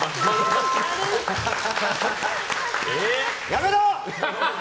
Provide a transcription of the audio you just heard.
やめろ！